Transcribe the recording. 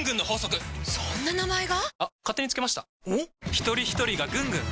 ひとりひとりがぐんぐん！